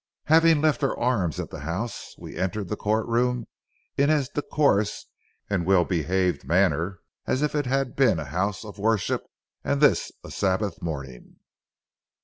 Having left our arms at the house, we entered the court room in as decorous and well behaved a manner as if it had been a house of worship and this a Sabbath morning.